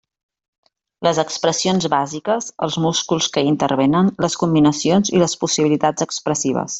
Les expressions bàsiques, els músculs que hi intervenen, les combinacions i les possibilitats expressives.